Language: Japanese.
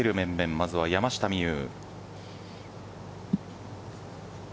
まずは山下美夢有。